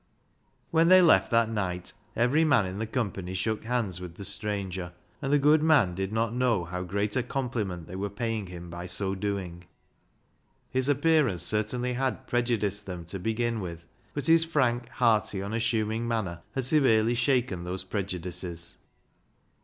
When they left that night every man in the company shook hands with the stranger, and the good man did not know how great a compli ment they were paying him by so doing. His appearance certainly had prejudiced them to, begin with, but his frank, hearty, unassuming manner had severely shaken those prejudices.